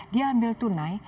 dia ambil tunai